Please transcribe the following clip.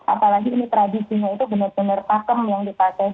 apalagi ini tradisinya itu benar benar pakem yang dipakai